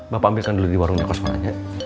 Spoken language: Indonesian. bapak ambilkan dulu di warungnya kosongannya